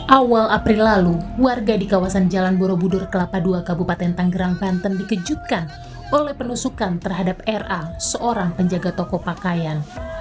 awal april lalu warga di kawasan jalan borobudur kelapa ii kabupaten tanggerang banten dikejutkan oleh penusukan terhadap ra seorang penjaga toko pakaian